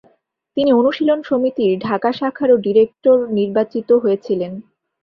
তিনি অনুশীলন সমিতির ঢাকা শাখারও ডিরেক্টর নির্বাচিত হয়েছিলেন।